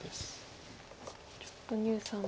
ちょっと牛さん